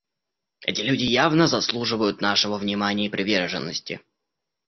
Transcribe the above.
Эти люди явно заслуживают нашего внимания и приверженности.